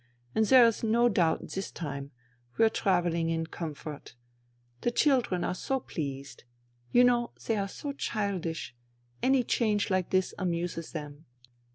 " And there is no doubt this time we're travelling in comfort. The INTERVENING IN SIBERIA 151 children are so pleased. You know, they are so childish. Any change like this amuses them."